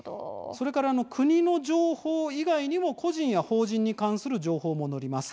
国の情報以外にも個人や法人に関する情報も載ります。